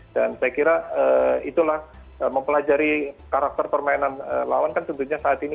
dan saya kira itulah mempelajari karakter permainan lawan kan tentunya saat ini